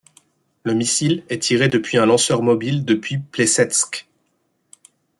Le missile est tiré depuis un lanceur mobile depuis Plessetsk.